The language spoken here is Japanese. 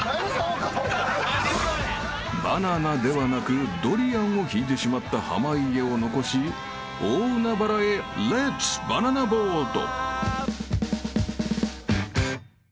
［バナナではなくドリアンを引いてしまった濱家を残し大海原へレッツバナナボート！］